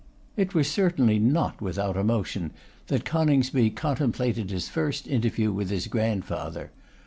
It was certainly not without emotion that Coningsby contemplated his first interview with his grandfather.